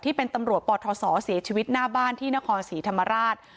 ที่เป็นตำรวจปทศเสียชีวิตหน้าบ้านที่นครศรีธรรมราช